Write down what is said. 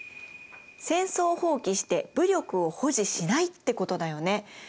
戦争を放棄して武力を保持しないってことだよね。